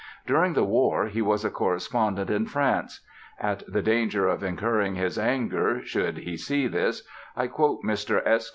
During the War he was a correspondent in France; at the danger of incurring his anger (should he see this) I quote Mr. S.